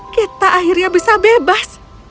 kita akhirnya bisa bebas